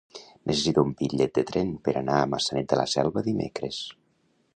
Necessito un bitllet de tren per anar a Maçanet de la Selva dimecres.